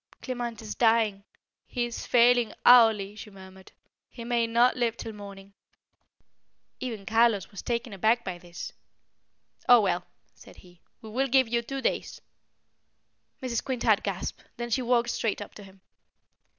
"Clement is dying. He is failing hourly," she murmured. "He may not live till morning." Even Carlos was taken aback by this. "Oh, well!" said he, "we will give you two days." Mrs. Quintard gasped, then she walked straight up to him.